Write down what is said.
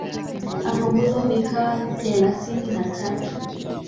apunguzwa vikawa thelathini na tatu